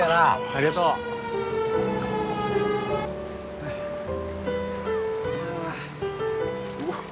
・ありがとうああうわっ